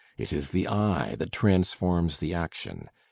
It is the eye that transforms the action.